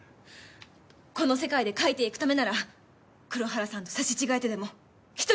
この世界で書いていくためなら黒原さんと刺し違えてでも一人闘います！